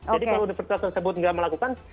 jadi kalau universitas tersebut tidak melakukan